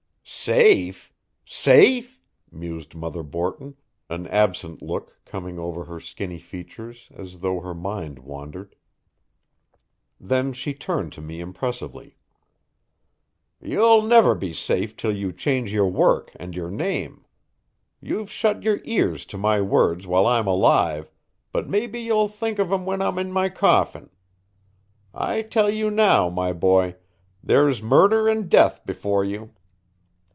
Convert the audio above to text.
"Safe safe?" mused Mother Borton, an absent look coming over her skinny features, as though her mind wandered. Then she turned to me impressively. "You'll never be safe till you change your work and your name. You've shut your ears to my words while I'm alive, but maybe you'll think of 'em when I'm in my coffin. I tell you now, my boy, there's murder and death before you.